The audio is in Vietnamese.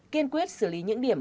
kiên quyết xử lý những điểm